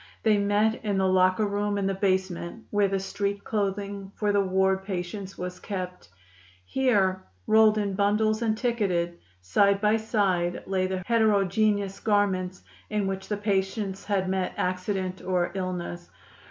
They met in the locker room in the basement where the street clothing for the ward patients was kept. Here, rolled in bundles and ticketed, side by side lay the heterogeneous garments in which the patients had met accident or illness.